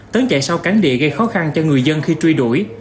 tấn chạy sau cánh địa gây khó khăn cho người dân khi truy đuổi